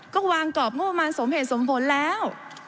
ก็วางกรอบงบประมาณสมเหตุสมผลแล้ว